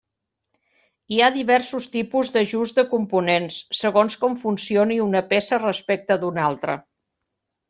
Hi ha diversos tipus d'ajust de components, segons com funcioni una peça respecte d'una altra.